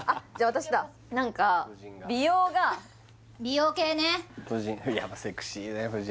私だ何か美容が美容系ね夫人